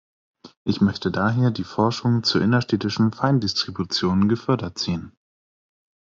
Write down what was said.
Ich möchte daher die Forschung zur innerstädtischen Feindistribution gefördert sehen.